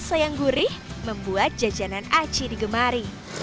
dan rasa yang gurih membuat jajanan aci digemari